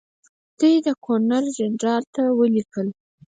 دوی ګورنرجنرال ته ولیکل.